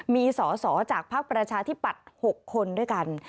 มีสอสอจากภาคประชาที่ปัด๖คนด้วยกัน